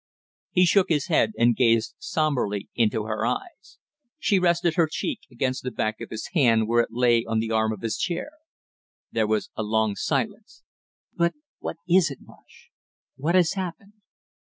He shook his head and gazed somberly into her eyes. She rested her cheek against the back of his hand where it lay on the arm of his chair. There was a long silence. "But what is it, Marsh? What has happened?"